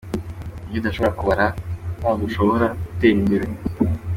Iyo udashobora kubara ntabwo ushobora gutera imbere”.